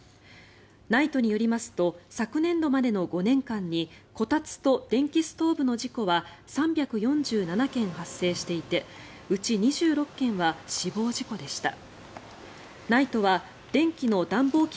ＮＩＴＥによりますと昨年度までの５年間にこたつと電気ストーブの事故は３４７件発生していてうち２６件は死亡事故でした。